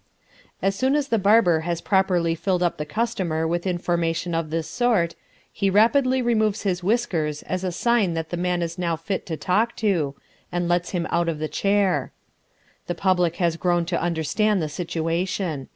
As soon as the barber has properly filled up the customer with information of this sort, he rapidly removes his whiskers as a sign that the man is now fit to talk to, and lets him out of the chair. The public has grown to understand the situation.